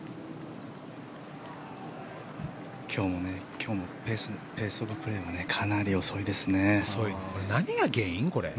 今日もペースオブプレーがかなり遅いですね。